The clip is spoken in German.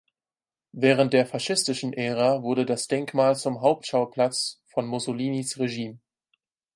Während der faschistischen Ära wurde das Denkmal zum Hauptschauplatz von Mussolinis Regime.